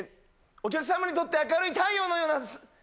お客様にとって明るい太陽のような。